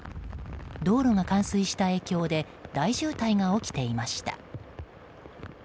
道路が冠水した影響で大渋滞が起きていました。